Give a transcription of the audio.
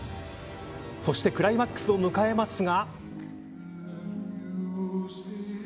そしてクライマックスを迎えますが。